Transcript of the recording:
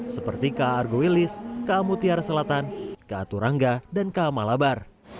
seperti ka argoilis ka mutiar selatan ka turangga dan ka malabar